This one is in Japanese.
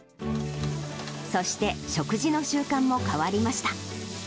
そして食事の習慣も変わりました。